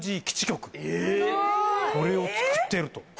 これを作っていると。